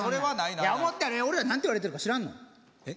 いや思ってはる俺ら何て言われてるか知らんの？え？